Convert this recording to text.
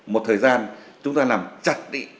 một thời gian chúng ta làm chặt đi